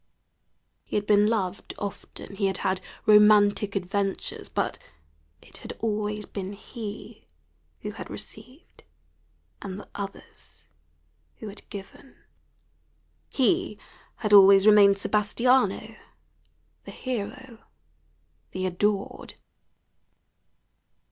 He had been loved often; he had had romantic adventures, but it had always been he who had received and the others who had given; he had always remained Sebastiano, the hero, the adored.